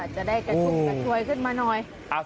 จะได้กระชวยขึ้นมาหน่อย